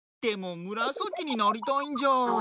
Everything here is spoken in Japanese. でもむらさきになりたいんじゃー。